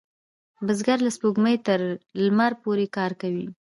بزګر له سپوږمۍ تر لمر پورې کار کوي